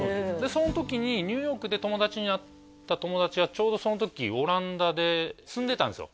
その時にニューヨークで友達になった友達がちょうどその時オランダで住んでたんですよ